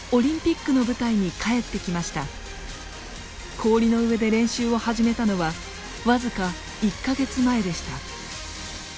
氷の上で練習を始めたのは僅か１か月前でした。